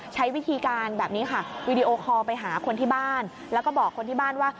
ใช้วิธีการแบบนี้ค่ะวีดีโอคอลไปหาคนที่บ้านแล้วก็บอกคนที่บ้านว่า